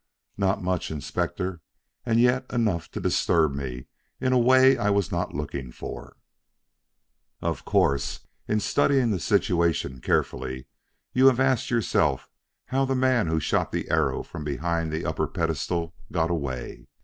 "Not much, Inspector and yet enough to disturb me in a way I was not looking for. Of course, in studying the situation carefully, you have asked yourself how the man who shot the arrow from behind the upper pedestal got away.